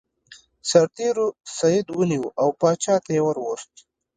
سرتیرو سید ونیو او پاچا ته یې ور وست.